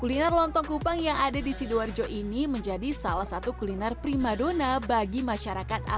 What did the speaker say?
kuliner lontong kupang yang ada di sidoarjo ini menjadi salah satu kuliner yang terkenal di sidoarjo ini